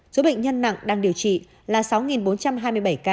số bệnh nhân nặng đang điều trị là sáu bốn trăm hai mươi bảy ca